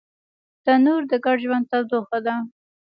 تنور د ګډ ژوند تودوخه ده